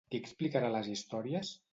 Qui explicarà les històries?